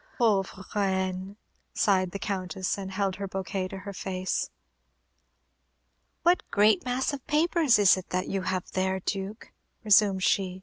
"Pauvre Reine!" sighed the Countess, and held her bouquet to her face. "What great mass of papers is that you have there, Duke?" resumed she.